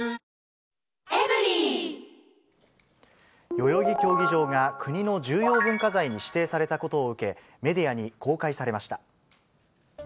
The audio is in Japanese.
代々木競技場が、国の重要文化財に指定されたことを受け、メディアに公開されました。